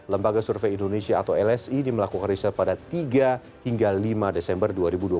lembaga survei indonesia atau lsi ini melakukan riset pada tiga hingga lima desember dua ribu dua puluh